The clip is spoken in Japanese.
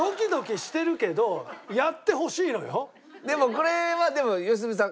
これはでも良純さん